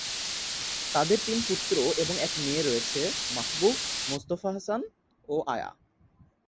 তাদের তিন পুত্র এবং এক মেয়ে রয়েছে: মাহমুদ, মোস্তফা, হাসান ও আয়া।